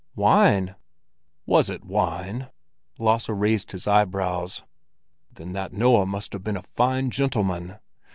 "Wine." "Was it wine?" Lasse raised his eyebrows. "Then that Noah must have been a fine gentleman!